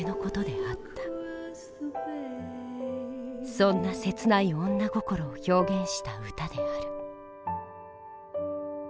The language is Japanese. そんな切ない女心を表現した歌である。